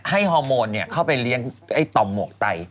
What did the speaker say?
ฮอร์โมนเข้าไปเลี้ยงไอ้ต่อมหมวกไต